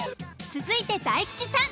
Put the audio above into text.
続いて大吉さん。